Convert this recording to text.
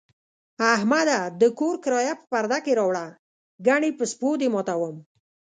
احمده! د کور کرایه په پرده کې راوړه، گني په سپو دې ماتوم.